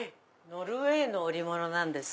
ノルウェーの織物なんです。